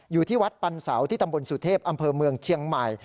อยู่ที่วัดปันเสาที่ตำบลสุเทพอำเภอเมืองเชียงใหม่